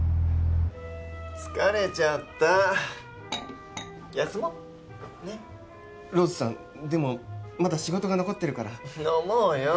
疲れちゃった休もうねっローズさんでもまだ仕事が残ってるから飲もうよ